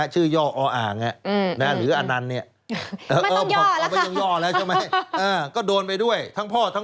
ชื่อย่ออ่างหรืออานัน